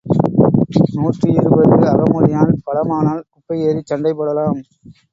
நூற்றி இருபது அகமுடையான் பலமானால் குப்பை ஏறிச் சண்டை போடலாம்.